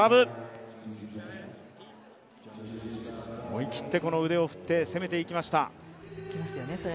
思い切って腕を振って攻めていきました。